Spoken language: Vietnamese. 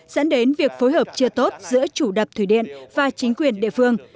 dẫn đến việc phối hợp chưa tốt giữa chủ đập thủy điện và chính quyền địa phương